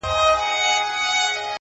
• د ښکاري به په ښکار نه سوې چمبې غوړي ,